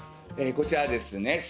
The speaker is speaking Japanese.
こちらはですね